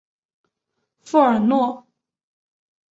富尔诺。